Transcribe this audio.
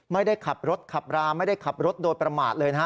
ไม่ได้ขับรถขับราไม่ได้ขับรถโดยประมาทเลยนะฮะ